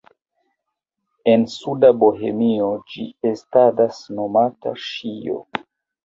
En suda Bohemio ĝi estadas nomata "ŝijo".